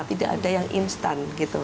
tidak ada yang instan gitu